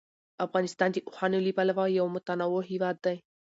افغانستان د اوښانو له پلوه یو متنوع هېواد دی.